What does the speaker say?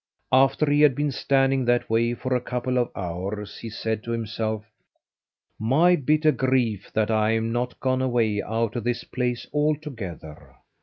After he had been standing that way for a couple of hours, he said to himself: "My bitter grief that I am not gone away out of this place altogether.